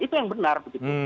itu yang benar